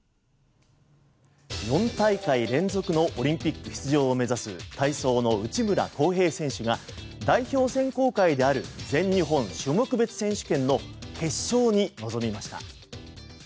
４大会連続のオリンピック出場を目指す体操の内村航平選手が代表選考会である全日本種目別選手権の決勝に臨みました。